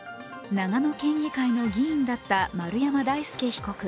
長野県議会の議員だった丸山大輔被告。